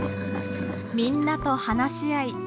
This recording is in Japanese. みんなと話し合い